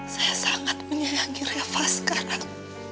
saya sangat menyayangi rafa sekarang